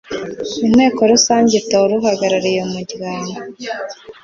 inteko rusange itora uhagarariye umuryango